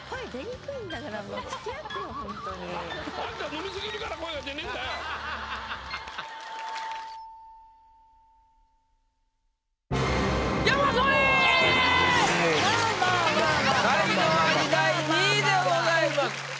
才能アリ第２位でございます。